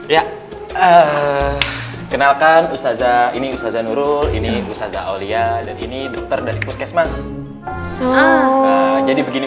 ya kenalkan ustazah ini ustazah nurul ini ustazah aulia dan ini dokter dari puskesmas jadi begini